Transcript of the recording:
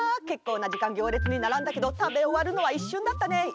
結構な時間行列に並んだけど食べ終わるのは一瞬だったね。